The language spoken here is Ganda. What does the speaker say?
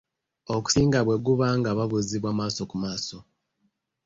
Okusinga bwe guba nga babuuzibwa maaso ku maaso.